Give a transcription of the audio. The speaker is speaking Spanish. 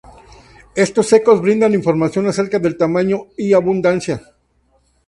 Estos ecos brindan información acerca del tamaño y abundancia.